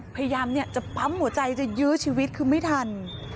พยายามจะปั๊มหัวใจจะยื้อชีวิตคือไม่ทัน